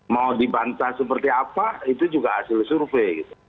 mau dibantah seperti apa itu juga hasil survei